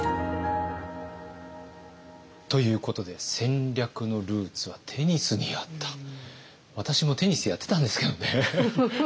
ということで私もテニスやってたんですけどね。